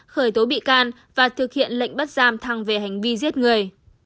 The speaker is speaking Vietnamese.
khởi tố bị can và thực hiện lệnh bắt giam thăng về hành vi giết người